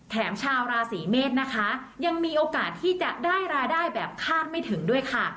ชาวราศีเมษนะคะยังมีโอกาสที่จะได้รายได้แบบคาดไม่ถึงด้วยค่ะ